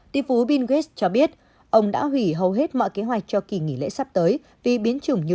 tỷ phú bill gates cho biết ông đã hủy hầu hết mọi kế hoạch cho kỳ nghỉ lễ sắp tới vì biến chủng như